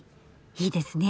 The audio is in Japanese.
いいですね。